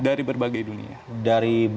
dari berbagai dunia